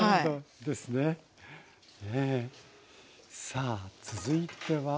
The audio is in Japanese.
さあ続いては。